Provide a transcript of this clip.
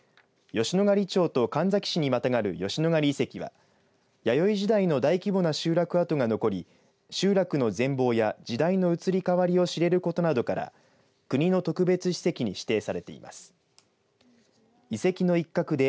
吉野ヶ里町と神埼市にまたがる吉野ヶ里遺跡は弥生時代の大規模な集落跡が残り集落の全ぼうや時代の移り変わりを知れることなどから国の特別史跡に指定されています。